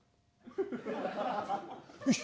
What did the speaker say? よし！